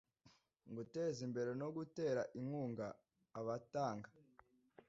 Guteza imbere no gutera inkunga abatanga